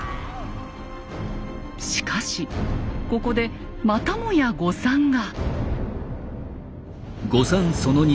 しかしここでまたもや誤算が。